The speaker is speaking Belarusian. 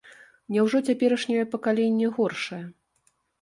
Няўжо цяперашняе пакаленне горшае?